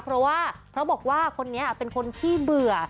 เพราะว่าเพราะบอกว่าคนนี้เป็นคนขี้เบื่อ